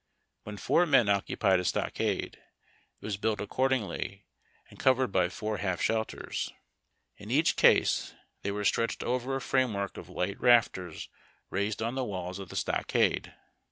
When four men occupied a stockade, it was built accordingly, and covered by four half shelters. In each case these were stretched over a framework of light rafters raised on the walls of the stockade.